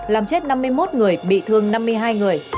làm chết năm mươi một người bị thương năm mươi hai người